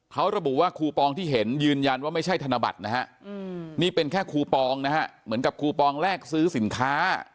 เขาระบุว่าคูปองที่เห็นยืนยันว่าไม่ใช่ธนบัตรนะฮะนี่เป็นแค่คูปองนะฮะเหมือนกับคูปองแลกซื้อสินค้า